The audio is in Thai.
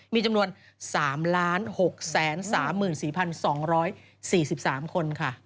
มีจำนวน๓๖๓๔๒๔๓คนค่ะ